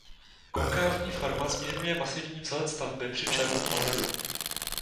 Konkávní forma zmírňuje masivní vzhled stavby při čelním pohledu.